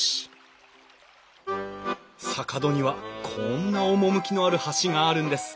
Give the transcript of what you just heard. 坂戸にはこんな趣のある橋があるんです。